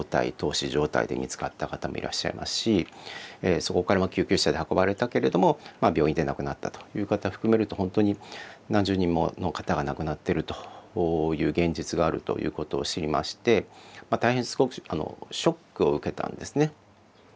そこから救急車で運ばれたけれども病院で亡くなったという方を含めると本当に何十人もの方が亡くなってるという現実があるということを知りまして大変ショックを受けたんですね。